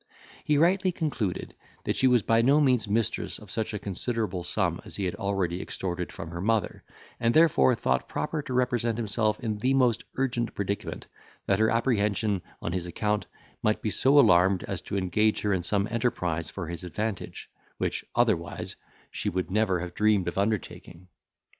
He rightly concluded, that she was by no means mistress of such a considerable sum as he had already extorted from her mother, and therefore thought proper to represent himself in the most urgent predicament, that her apprehension, on his account, might be so alarmed as to engage her in some enterprise for his advantage, which otherwise she would never have dreamed of undertaking.